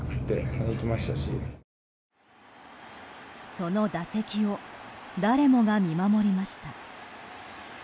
その打席を誰もが見守りました。